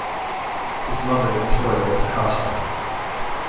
His mother, Victoria, was a housewife.